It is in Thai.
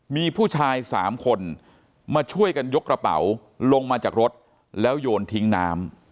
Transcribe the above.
มีผู้ชาย๓คนมาช่วยกันยกกระเป๋าลงมาจากรถแล้วโยนทิ้งน้ำ